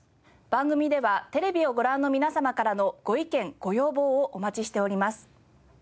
番組ではテレビをご覧の皆様からのご意見ご要望をお待ちしております。